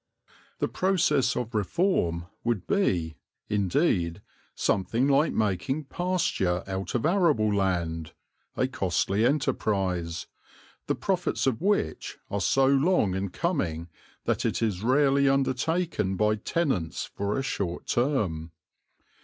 The process of reform would be, indeed, something like making pasture out of arable land, a costly enterprise, the profits of which are so long in coming that it is rarely undertaken by tenants for a short term.